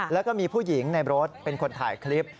แล้วก็มีผู้หญิงในรถเป็นคนถ่ายคลิป